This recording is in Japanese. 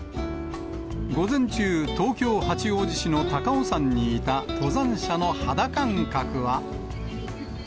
午前中、東京・八王子市の高尾山にいた登山者の肌感覚は。